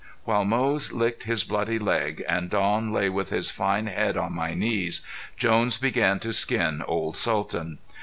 While Moze licked his bloody leg and Don lay with his fine head on my knees, Jones began to skin old Sultan.